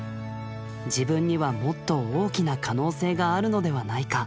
自分にはもっと大きな可能性があるのではないか。